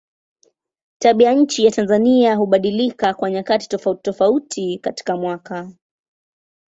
Tabianchi ya Tanzania hubadilika kwa nyakati tofautitofauti katika mwaka.